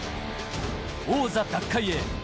王座、奪回へ。